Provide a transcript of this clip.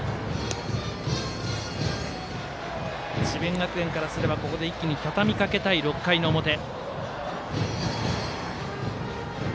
智弁学園からすればここで一気にたたみかけたい６回の表。